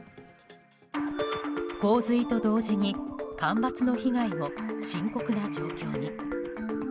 洪水と同時に干ばつの被害も深刻な状況に。